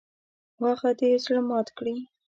خو هغه دې زړه مات کړي .